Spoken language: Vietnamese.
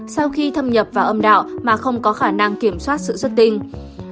sau khi thâm nhập vào âm đạo mà không có khả năng kiểm soát sự xuất tinh